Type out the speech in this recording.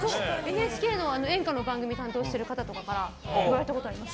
ＮＨＫの演歌の番組を担当している方とかから言われたことがあります。